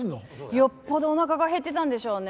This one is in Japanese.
よっぽどおなかが減ってたんでしょうね。